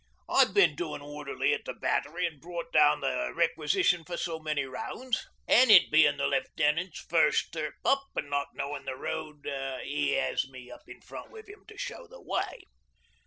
I'd been doin' orderly at the Battery an' brought down the requisition for so many rounds, an' it bein' the Left'nant's first trip up, an' not knowin' the road 'e 'as me up in front with 'im to show the way.